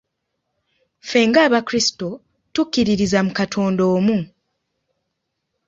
Ffe nga Abakrisito, tukkiririza mu Katonda omu.